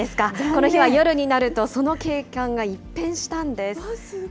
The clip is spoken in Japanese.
この日は夜になると、その景観が一変したんです。